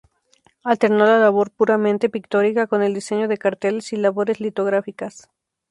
Alternó la labor puramente pictórica con el diseño de carteles y labores litográficas.